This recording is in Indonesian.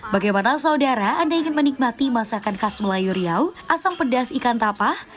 bagaimana saudara anda ingin menikmati masakan khas melayu riau asam pedas ikan tapah